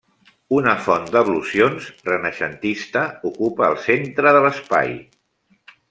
Una font d'ablucions, renaixentista, ocupa el centre de l'espai.